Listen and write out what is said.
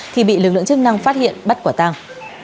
thì bị lực lượng chức năng phát hiện bắt quả tàng